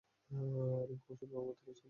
রিংকু ওষুধ খাওয়া মাত্রই ঐ চাচার হাঁচি শুরু হল।